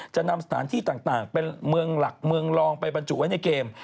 จะนำสถานที่ต่างเป็นเมืองหลักเมืองรองไปบรรจุไว้ในเกม